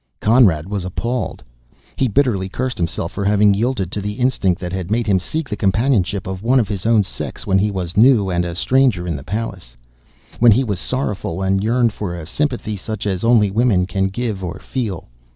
Conrad was appalled. He bitterly cursed himself for having yielded to the instinct that had made him seek the companionship of one of his own sex when he was new and a stranger in the palace when he was sorrowful and yearned for a sympathy such as only women can give or feel.